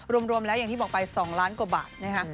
รวมแล้วอย่างที่บอกไป๒ล้านกว่าบาทนะคะ